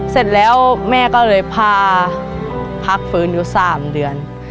เสร็จแล้วแม่ก็เลยพาพักฟื้นอยู่๓เดือน